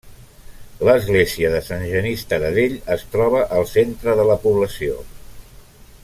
L'església de Sant Genís Taradell es troba al centre de la població.